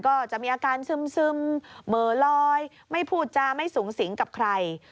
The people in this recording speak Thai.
ก็จะมีอาการซึมเหม่อลอยไม่พูดจาไม่สูงสิงกับใคร